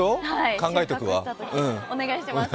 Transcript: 考えとくわ。